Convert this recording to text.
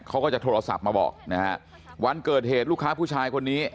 เขาก็จะโทรศัพท์มาบอกนะฮะวันเกิดเหตุลูกค้าผู้ชายคนนี้